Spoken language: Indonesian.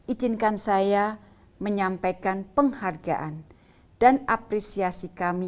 ijinkan saya menyampaikan penghargaan dan apresiasi kami